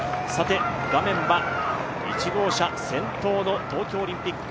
画面は１号車先頭の東京オリンピック、